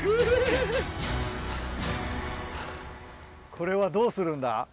これはどうするんだ？